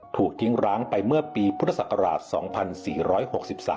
ถูกทิ้งร้างไปเมื่อปีพุทธศักราช๒๔๖๓